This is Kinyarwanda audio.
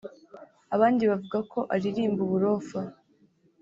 abandi bavuga ko aririmba uburofa